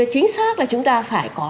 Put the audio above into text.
chính xác là chúng ta phải có